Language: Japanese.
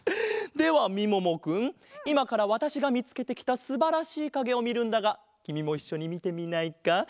ではみももくんいまからわたしがみつけてきたすばらしいかげをみるんだがきみもいっしょにみてみないか？